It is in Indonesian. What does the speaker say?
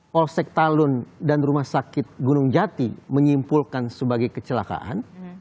polsek talun dan rumah sakit gunung jati menyimpulkan sebagai kecelakaan